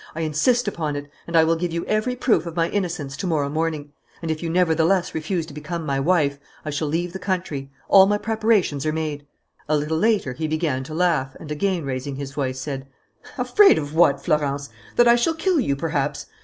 I insist upon it; and I will give you every proof of my innocence to morrow morning. And, if you nevertheless refuse to become my wife, I shall leave the country. All my preparations are made." A little later he began to laugh and, again raising his voice, said: "Afraid of what, Florence? That I shall kill you perhaps?